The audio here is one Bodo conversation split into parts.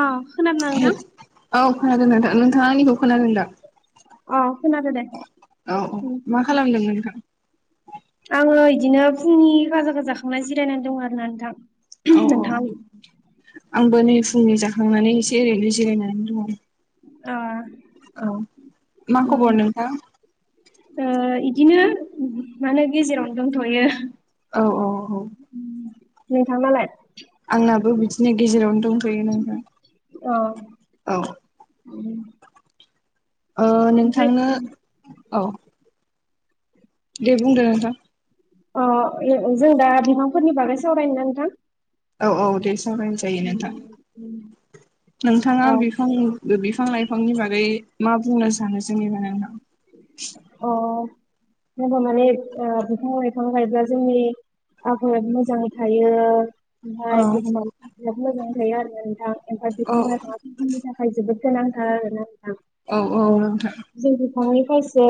अ खोनादोंना नोंथां? औ खोनादों नोंथां नोंथाङा आंनिखौ खोनादोंदा? खोनादों दे। औ औ उम मा खालामदों नोंथां? आङो बिदिनो फुंनि खाजा खौ जाखांनाय जिरायनानै दं आरोना नोंथां। औ औ नोंथाङालाय? आंबो नै फुंनि जाखांनानै एसे ओरैनो जिरायनानै दङ। ओ औ मा खबर नोंथां? औ इदिनो म होनो गेजेरावनो दंथ'यो। औ औ औ। नोंथांनालाय? आंनाबो बिदिनो गेजेरावनो दंफैयो नोंथां। औ। उम- ओ नोंथांनो औ। देबुं दो नोंथां। अ जों दा बिफांफोरनि बागै सावरायनो नोंथां? औ औ दे सावरायनो जायो नोंथां। नोंथाङा औ बिफां बिफां लाइफांनि बारै मा बुंनो सानो जेननिबा नोंनाव? जोंङो माने बिफां बिइफां गायब्ला जोंनि आबाद मोजाङै थायो। औ ओमफ्राय बुहुमाव बि मोजाङै थायो आरो नोंथां ओमफ्राय औ बिफां लाइफांनि थाखाय जोबोद। गोनांथार आरो ना? औ औ औ। बिफांनिफ्रायसो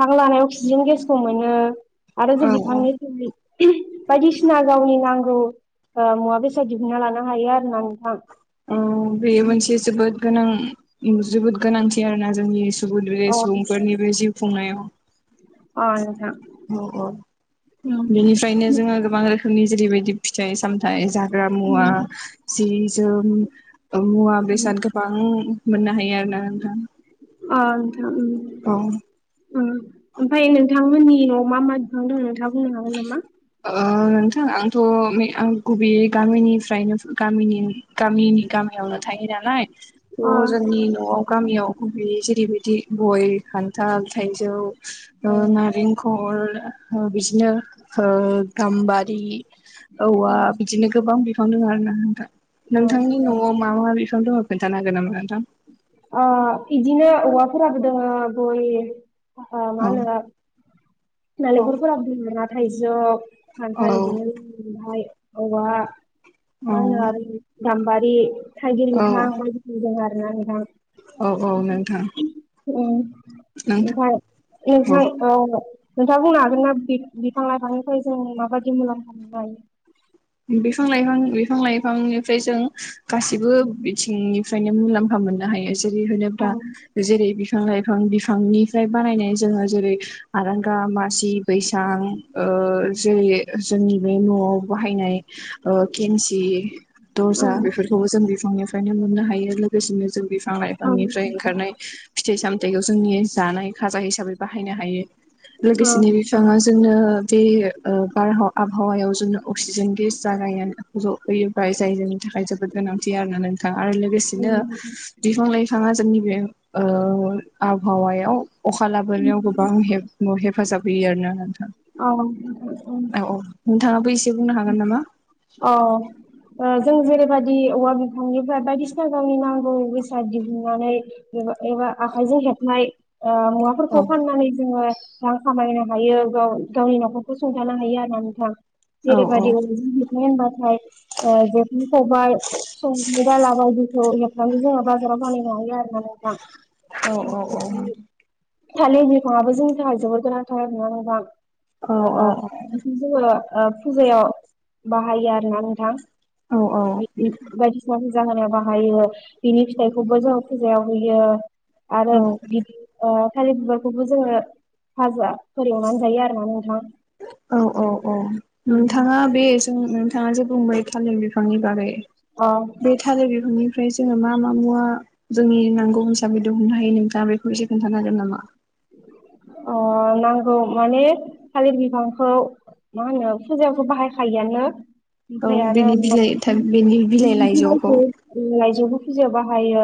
हां लानाय अक्सिजेन गेसखौ मोनो। आरो औ जों औ बिफांनिफ्राय बायदिसिना गावनि नांगौ मुवा बेसाद दिहुनन्ना लानो हायो आरो ना नोंथां। औ। बेयो मोनसे जोबोद गोनां जोबोद गोनांथि आरोना जोंनि [unintelligible] अ सुबुंफोरनिबो जिउ खुंनायाव अ नोंथां। औ औ उम बेनिफ्रायनो जोङो गोबां रोखोमनि जेरैबायदि फिथाइ सामथाइ जाग्रा मुवा उम जि जोम मुवा उम बेसाद गोबां मोननो हायो आरो ना नोंथां अ नोंथां उम औ ओमफ्राय नोंथांमोननि न'आव मा मा बिफां दं नोंथाङा बुंनो हागोन नामा ओ नोंथां आंथ' आं गुबैयै गामिनिफ्रायनो गामनि गामिनि गामि नो थायो नालाय अ थ' जोंनि न'आव गामियाव गुबैयै जेरैबायदि गय खान्थाल थाइजौ अ नारेंखल ओ बिदिनो गाम्बारि अ औवा बिदिनो गोबां बि बिफां दं आर नाथा अ नोंथांनि न'आव मा मा बिफां दङ खोनन्थानो हागोन नामा नोंथां आ बिदिनो औवाफोराबोदों बय हो मा औ होनो औ नालेंखरफोर बुंङ ना थाइजौ खान्थाालदिनो ओमफ्राय औवा औ मा होनो आरो गाम्बारि थाइगिर औ बिफां मायदि मोजां आरो ना औ औ नोंथां उ नोंथां औ नोंथाङा बुंनो हागोन ना बिफां लाइफांनिफ्राय जों माबायदि मुलाम्फा लायो बिफां लाइफां बिफां लाइफांनिफ्राय जों गासिबो थिंनिफ्रायनो मुलाम्फा मोननो हायो जेरै औ होनोब्ला जेरै बिफां लाइफां बिफांनि बानायनाय जोङो जेरै आरांगा मासि बैसां जेरै जोंनि बे न'आव बाहायनाय केमसि औ दर्जा बेफोरखौबो जों बिफांनिफ्रायनो मोननो हायो लोगोसेनो बिफां औ लाइफांनि फ्राय ओंखारनाय फिथाय सामथाय फिथाइखौ जोंनि जानाय खाजा हिसाबै बाहायनो हायो औ लोगोसेनो बिफाङा जोंनो बे बार आबहावायाव जों अक्सिजेन गेस जागाय जफैयोबाय जाय जनि थाखाय जोबोद गोनांथि आरोना नोंथाङा आरो लोगोसे औ बिदिनो बिफां लाइफाङा जोंनि बे आबहावायाव अखा लाबोनायाव गोबां हेफाजाब होयो आर ना औ नोंथाङा बोसे ए बुंनो हागोन नामा औ ओ जों जेरैबायदि औवा बिफांनिफ्राय बायदिसिना गावनि नांगौ बेसाद दिहुननानै एबा आखायजों हेबनाय औ मुवाफोरखौ फाननानै जोङो रां खामायनो हायो गाव गावनि न'खरखौ संथानो हायो आर ना नोंथां औ जेरैबादि [unintelligible] होनबाथाय [unintelligible] बाजाराव फानहैनो हायो आरोना नोंथां औ औ औ थालिर बिफाङआबो जोंनि थाखाय जोबोर गोनांथार मुवा होनोबा औ बिखौ जोङो फुजायाव बाहायो आरोना नोंथां [unintelligible] फुजा होनो बाहायो बिनि फिथाइखौबो जों फुजायाव होयो आरो औ बिदि थालिर बिबारखौबो जोङो फाजा फोरोंनानै जायो आरो ना नोंथां औ औ औ नोंथाङा बे जों नोंथाङा जे बुंबाय थालिर बिफांनि बारै अ बे थालिर बिफांनि ओमफ्राय जोङो मा मा मुवा जोंनि नांगौ हिसाबै दिहुननो हायो नोंथाङा बेखौ एससे खोन्थानो हागोन नामा अ नांगौ माने थालिर बिफांखौ मा होनो फुजाखौ बाहायखायोआनो औ ओमफ्राय आरो बेनि बिलाइ बेनि बिलाइ लाइजौखौ [unintelligible] लाइजौबो फुजायाव बाहायो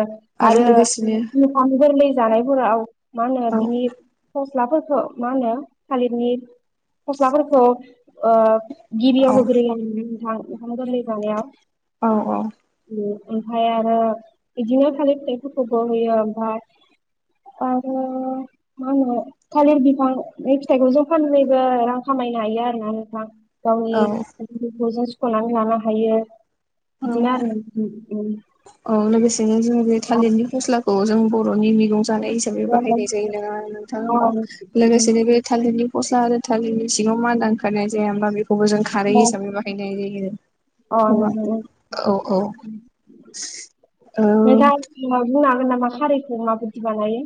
आरो ओंखाम गोरलै जानायफोराव मा औ [unintelligible] फस्लाफोरखौ मा होनो थालिरनि फस्लाफोरखौ ओ औ गिबियाव होग्रोयो आरो ना नोंथां ओंखाम गोरलै जानायाव ‌। औ औ। ओमफ्राय आरो बिदिनो थालिर फिथाइफोरखौबो होयो ओमफ्राय आरो मा होनो थालिर बिफां फिथाइखौ जों फाननानैबो रां खामायनो हायो आरो ना नोंथां। गावनि औ [unintelligible] सुख'नानै लानो हायो। बिदिनो आरो [unintelligible] औ लोगोसेनो जों बे थालिरनि फस्लाखौ जों बर'नि मैगं जानाय हिसाबै आरो बाहायनाय जायो नङा नोंथा अ होनबा लोगोसेनो बे थालिरनि फस्ला आरो थालिरनि सिङाव मादा ओंखारनाय जाया होनबा बेखौबो जों खारै नोंथां हिसाबै बाहायनाय जायो। अ खोमा नोंथां औ औ। औ नोंथाङा [unintelligible] बुंनो हागोन नामा खारैखौ माबायदि बानायो?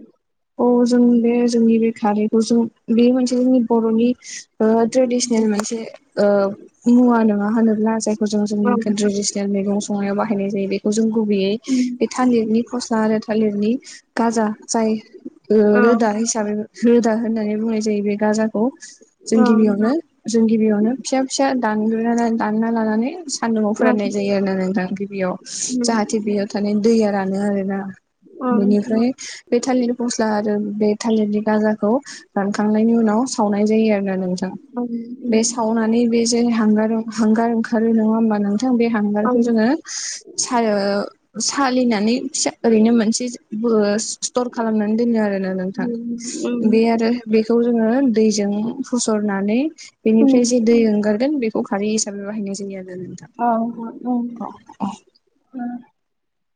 औ जों बे जोंनि बे खारैखौ जों बे मोनसे जोंनि बर'नि ओ ट्रेडिसनेल मोनसे ओ मुवा नोङा होनोब्ला? [unintelligible] जायखौ जों जोंनि ओं ट्रेडिसनेल मैगं संनायाव बाहायनाय जायो बेखौ जों गुबैयै उम बे थालिरनि फस्ला आरो थालिरनि गाजा जाय ओ ओं रोदा हिसाबै रोदा होननानै बुंनाय जायो बे गाजाखौ। [inaudible] जों गिबियावनो जों गिबियावनो फिसा फिसा दानग्रोनानै दानना लानानै सान्दुंङाव ओं फोराननाय जायो। आरोना नोंथां गिबियाव उम जाहाथे बेयो थालिरनि दैआ रानो आरोना। ओं नोंथां बेनिफ्राय बे थालिर फस्ला आरो बे थालिरनि गाजाखौ रानखांनायनि उनाव सावनाय जायो आरो। ना नोंथां ओं बे उम सावनानै बे जे हांगार हांगार ओंखारो नङा होनबा? थां बे ओं हांगारखौ जोङो सा ओ सालिनानै फिसा ओरैनो मोनसे बो स्टर खालामनानै दोनो आरोना नोंथां उम उम बे आरो बेखौ जोङो दैजों फसरनानानै ओं बेनिफ्राय जि दै ओंखारगोन बेखौ खौ खारै हिसाबै बाहायनाय जायो आरो ‌। औ [unintelligible] नोंथां अ ओं अ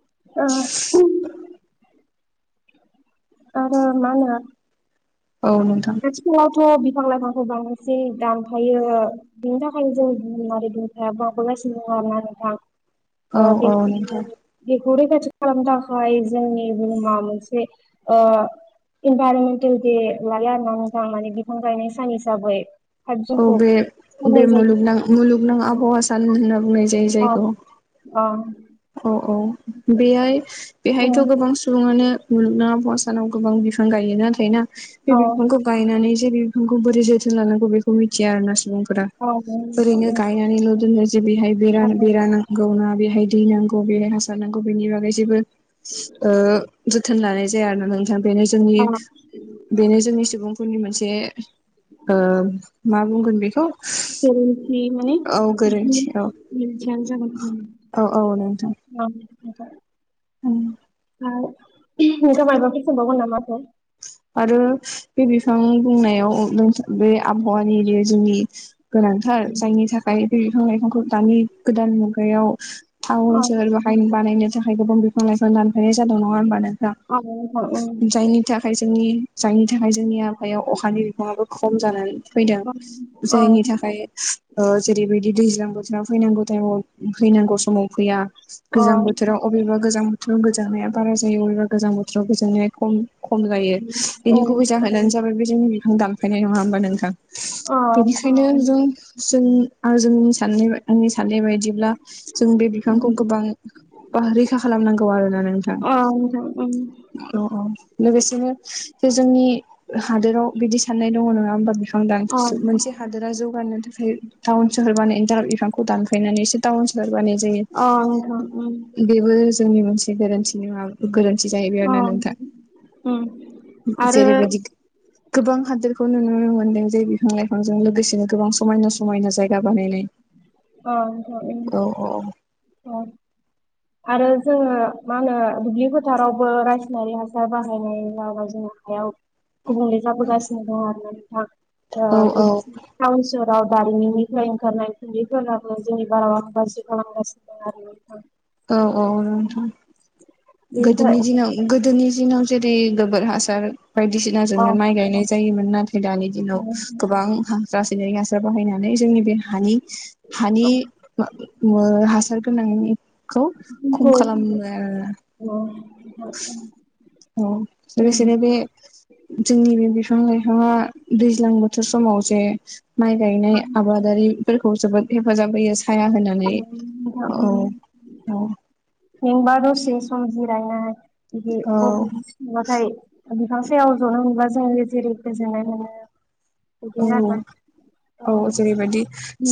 [unintelligible] आरो मा होनो औ नोंथां। थ' बिफां लाइफांखौ बांसिन दानफायो बिनि थाखायनो जों औ औ नोंथां [unintelligible] [unintelligible] खौ रैखाथि खालामनो थाखाय जोंनि बुहुमा मोनसे ओ इनभाइरमेन्टेल दे लायो आरो ना नोंथां माने बिफां गायनाय सान हिसाबै। फाइभ औ जुनखौ बे बे फालिनाय जायो मुलुगनां मुलुगनां आबहावा सान होनना बुंनाय जायो। [unintelligible] औ जायखौ औ औ औ बेहाय औ बेहायथ' गोबां सुबुं ङानो मुलुगनां सानाव गोबां बिफां गायो नाथाय ना बे औ बिफांखौ गायनानै बे बिफांखौ बोरै जोथोन लानांगौ बेखौ मिथिया आरो ना सुबुं फोरा औ ओरैनो गायनानैल' दोनो जे बेहाय बेरा बेरा नांगौना बेहाय दै नांगौ बे हासार नांगौ बेनि बागै जेबो जोथोन ओ लानाय जाया आरो ना नोंथां। दा बेनो जोंनि बेनो जोंनि सुबुंफोरनि मोनसे ओ मा बुंगोन बेखौ गोरोन्थि माने औ गोरोन्थि औ औ [unintelligible] [unintelligible] ओम। [unintelligible] नोंथांआ मायबाफोर सोंबावगोन नामा हो? आरो बे बिफां बुंनायाव बे आबहावानि बे जोंनि गोनांथार जायनि थाखाय बे बिफां लाइफांखौ दानि गोदान मुगायाव अ टाउन सोहर बाहाय बानायनो थाखाय गोबां बि फां लायफां दानफायनाय जादों नङा होनोमबा नोंथां। अ नोंथां उम जायनि थाखाय जोंनि जायनि थाखाय जोंनिया हायाव अखानि बिबाङाबो खम जानानै फैदों, अ अ जायनि थाखाय ओ जेरैबायदि दैज्लां बो फैनांगौ टाइम फैनांगौ समाव फैया अ गोजां बोथोराव अबेबा गोजां गोजानायनाया बारा जायो अबेबा गोजां बोथोराव गोजांनाया खम खम जायो बिनि उम गुबै जाहोनानो जाबाय बे जोंनि बिफां दान फायनाय नङा होमबा नोंथां, अ बेनिखायनो जों जों जोंनि साननाय आंनि साननाय बायदिब्ला जों बे बिफांखौ गोबां रैखा खालामनांगौ आरोना नोंथां। अ नोंथां उम औ औ लोगोसेनो जे जोंनि हादोराव बिदि साननाय दङ नङा होमबा अ [inaudible] मोनसे हादोरा जौगानो थाखाय टाउन सहर बानायनो थाखाय बिफांखौ दानफायनानैसो टाउन बानायनाय अ नोंथां जायो उम बेबो जोंनि मोनसे गोरोन्थि [inaudible] गोरोन्थि जाहैबाय आरो अ ना नोंथां। उम आरो जेरैबायदि गोबां हादोरखौ नुनो मोनदों जे बिफां लाइफांजों लोगोसेनो गोबां समायना समायना जायगा बानायनाय औ नोंथां औ औ आरो जोङो मा होनो दुब्लि फोथारावबो रासायनारि हासार बाहायनाय जाबाय जोङो गुबुंले जाबोगासिनो दं आरो नोंथां औ औ ओ टाउन स राव दारिमिननिफ्राय ओंखारनाय खुन्दैफोराबो जोंनि बारहावा खौ गाज्रि खालामगासिनो दं आरोना नोंथां। औ औ नोंथां बेनिफ्राय गोदोनि दिनाव अ गोदोनि दिनाव जे दै गोबोर हासार अ, बायदिसिनाजोंनो माइ गायनाय जायोमोन नाथा दानि दिनाव गोबां रासायनारि हासार बाहायनानै जोंनि बे हानि हानि अ, ओ हासार गोनांनि खौ खम खालामो जोंखौ आरो [inaudible] अ' लोगोसेनो बे जोंनि बे बिफ बिफां लाइफाङा दैज्लां बोथोर समाव जे माइ गायनाय आबादारिफोरखौ जोबोद हेफाजाब होयो साया होनानै औ औ मेंबा दसे सम जिरायनाय बिदि औ [inaudible] बिफां सायाव ज'नो मोनब्ला जोंङो जेरै गोजोननाय मोनो औ बिदिनो आरोना अ औ जेरैबायदि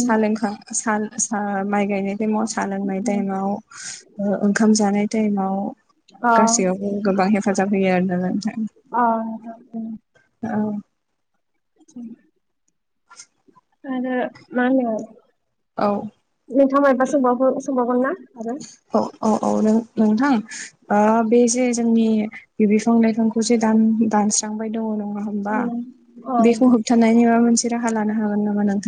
साहा लोंखां सा सा माइ गायनाय टाइमाव सा लोंनाय टाइमाव ओ ओंखाम जानाय टाइमाव गासैयावबो गोबां हेफाजाब होयो आरो नोंथां ओम ओम [inaudible] आरो मा होनो औ नोंथांआ मायबा सोंबावगोन सोंबावगोन ना आरो? नोंथां औ औ औ नों नोंथां बे जे जोंनि बि बिफां लाइफांखौ जे दान दानस्रांबाय दङ नङा होमबा अ बेखौ होबथानायनि माबा मोनसे राहा लानो हागोन नामा नों?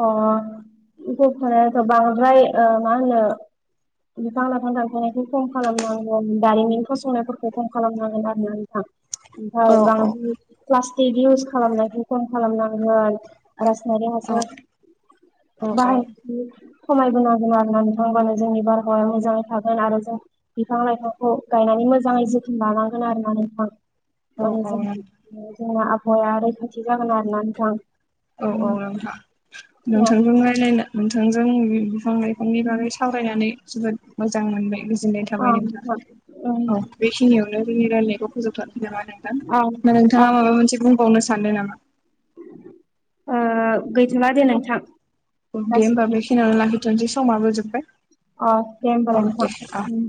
अ' [inaudible] बांद्राय मा होनो? बिफां लाइफां दानफायनायखौ खम खालामनांगोन दारिमिन फसंनायफोरखौ खम खालामनांगोन आरोना नोंथां। ओमफ्राय औ बांद्राय प्लास्टिक इउस खालामनायखौ खम खालामनांगोन नायरि औ हासार औ औ बाय खमायबोनांगोन आरो ना नोंथांबानो जोंनि बारहावाया मोजाङै थागोन आरो जों बिफां लाइफांखौ गायनानै मोजाङै जोथोन लानांगोन आरो ना नोंथां। औ आरो जों जोंना आबहावाया रैखाथि जागोन आरोना नोंथां औ औ नोंथां नोंथांजोंहाय नायनो नोंथांजों बिफां लाइफांनि बागै सावरायनानै जोबोद मोजां मोनबाय गोजोननाय थाबाय नोंथां औ बेखिनियावनो जोंनि रायलायनायखौ फोजोबथारनोसै नामा ओ नोंथां दा नोंथाङा माबा मोनसे बुंबावनो सान सन्दों नामा ओ गैथ'ला दे नोंथां औ दे होमबा गासिबो बेखिनियावानो लाखिथ'नोसै समाबो जोब्बाय अ दे अ होमबालाय दे अ नोंथां